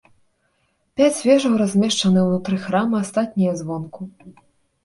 Пяць вежаў размешчаны ўнутры храма, астатнія звонку.